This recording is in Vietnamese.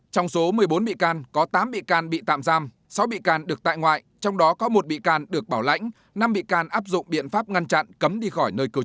trong số một mươi bốn bị can có tám bị can bị tạm giam sáu bị can được tại ngoại trong đó có một bị can được bảo lãnh năm bị can áp dụng biện pháp ngăn chặn cấm đi khỏi nơi cư trú